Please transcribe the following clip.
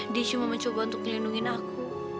dia cuma mencoba untuk melindungi aku